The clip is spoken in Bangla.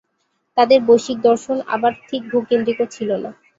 তাদের বৈশ্বিক-দর্শন আবার ঠিক ভূ-কেন্দ্রিকও ছিল না।